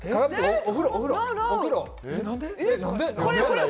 お風呂。